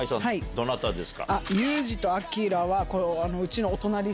どなたですか？